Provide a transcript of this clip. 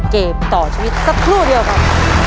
เกมต่อชีวิตสักครู่เดียวครับ